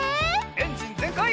エンジンぜんかい！